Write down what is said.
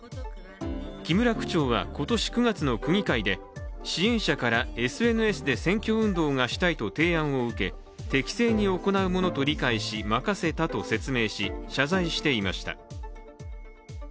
木村区長は今年９月の区議会で支援者からＳＮＳで選挙運動がしたいと提案を受け適正に行うものと理解し任せたと説明し、謝罪していました。